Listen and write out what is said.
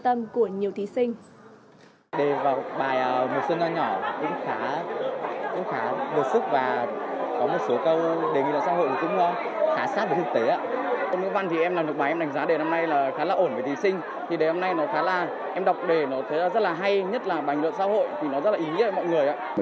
nó ổn với thí sinh thì đề năm nay nó khá là em đọc đề nó rất là hay nhất là bành luận xã hội thì nó rất là ý nghĩa với mọi người ạ